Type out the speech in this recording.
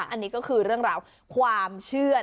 อันนี้ก็คือเรื่องราวความเชื่อ